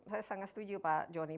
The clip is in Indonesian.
saya sangat setuju pak joni